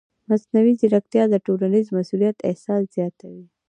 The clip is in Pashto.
مصنوعي ځیرکتیا د ټولنیز مسؤلیت احساس زیاتوي.